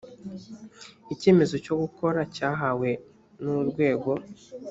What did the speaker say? icyemezo cyo gukora cyahawe n urwego